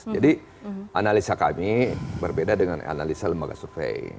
jadi analisa kami berbeda dengan analisa lembaga survei